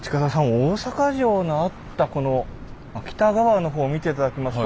大坂城のあったこの北側の方見て頂きますと。